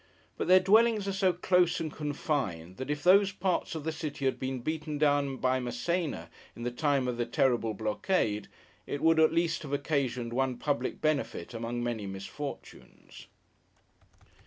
But their dwellings are so close and confined that if those parts of the city had been beaten down by Massena in the time of the terrible Blockade, it would have at least occasioned one public benefit among many misfortunes.